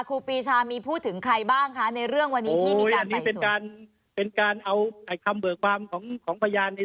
ครูปรีชามีพูดถึงใครบ้างคะในเรื่องวันนี้